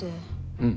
うん。